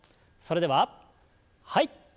それでははい。